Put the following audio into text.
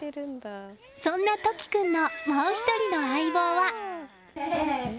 そんな飛希君のもう１人の相棒は。